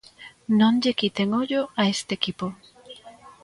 Non lle quiten ollo a este equipo.